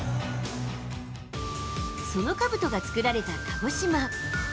そのかぶとが作られた鹿児島。